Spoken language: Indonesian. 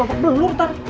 anak orang bawa belur tar